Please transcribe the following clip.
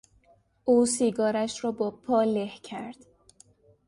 او سیگارش را با پا له کرد.